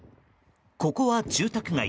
ここは住宅街。